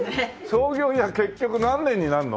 創業以来結局何年になるの？